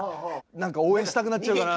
何か応援したくなっちゃうかな。